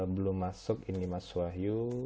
belum masuk ini mas wahyu